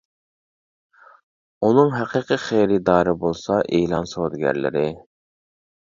ئۇنىڭ ھەقىقىي خېرىدارى بولسا ئېلان سودىگەرلىرى.